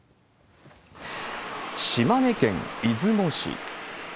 島根県出雲市。